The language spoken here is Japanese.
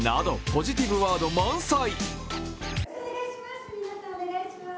ポジティブワード満載。